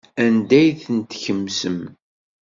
Anda ay tent-tkemsem?